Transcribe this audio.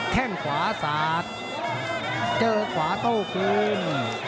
แค่งขวาสาดเจอขวาโต้คืน